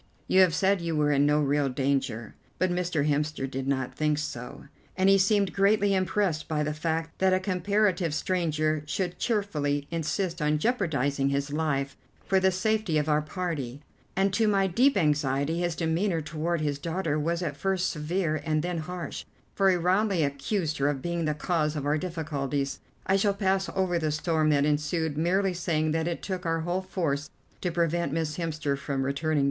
You have said you were in no real danger, but Mr. Hemster did not think so, and he seemed greatly impressed by the fact that a comparative stranger should cheerfully insist on jeopardizing his life for the safety of our party, and to my deep anxiety his demeanour toward his daughter was at first severe and then harsh, for he roundly accused her of being the cause of our difficulties. I shall pass over the storm that ensued, merely saying that it took our whole force to prevent Miss Hemster from returning to Seoul."